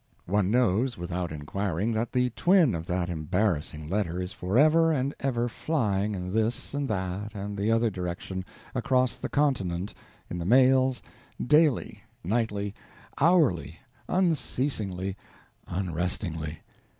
One knows, without inquiring, that the twin of that embarrassing letter is forever and ever flying in this and that and the other direction across the continent in the mails, daily, nightly, hourly, unceasingly, unrestingly.